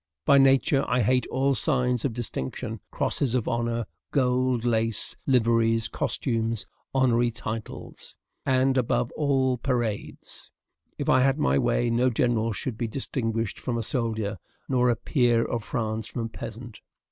By nature, I hate all signs of distinction, crosses of honor, gold lace, liveries, costumes, honorary titles, &c., and, above all, parades. If I had my way, no general should be distinguished from a soldier, nor a peer of France from a peasant.